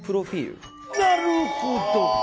なるほど！